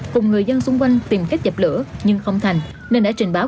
cùng người dân xung quanh tìm cách dập lửa nhưng không thành nên đã trình báo